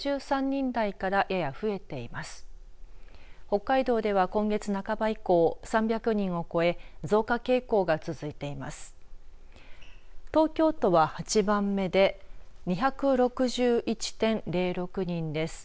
北海道では、今月半ば以降３００人を超え増加傾向が続いています。